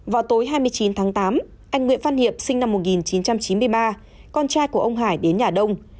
vào tối hai mươi chín tháng tám anh nguyễn văn hiệp sinh năm một nghìn chín trăm chín mươi ba con trai của ông hải đến nhà đông